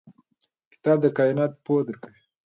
کتاب د کایناتو پوهه درکوي.